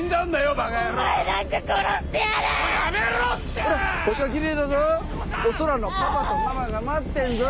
お空のパパとママが待ってんぞ。